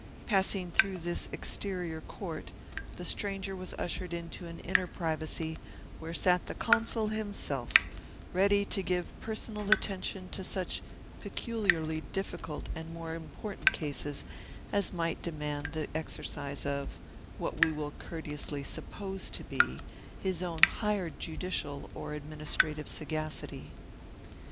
Passing through this exterior court, the stranger was ushered into an inner privacy, where sat the Consul himself, ready to give personal attention to such peculiarly difficult and more important cases as might demand the exercise of (what we will courteously suppose to be) his own higher judicial or administrative sagacity.